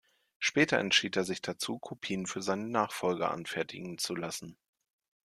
Später entschied er sich dazu, Kopien für seine Nachfolger anfertigen zu lassen.